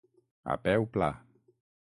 A peu pla.